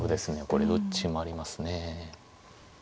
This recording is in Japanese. これどっちもありますね。